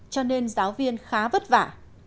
cho nên giáo viên khá vất vả